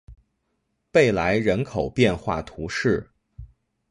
贝莱人口变化图示